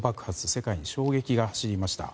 世界に衝撃が走りました。